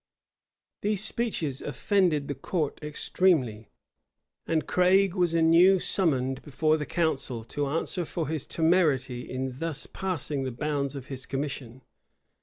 These speeches offended the court extremely; and Craig was anew summoned before the council, to answer for his temerity in thus passing the bounds of his commission.